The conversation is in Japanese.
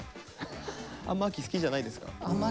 あんま秋好きじゃないですか？